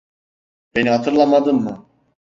Beni hatırlamadın mı?